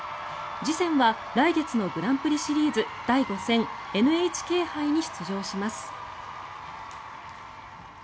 次戦は来月のグランプリシリーズ第５戦ＮＨＫ杯に出場します。